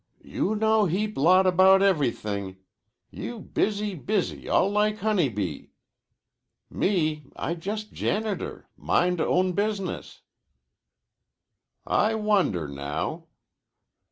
"You know heap lot about everything. You busy busy all like honey bee. Me, I just janitor mind own business." "I wonder, now."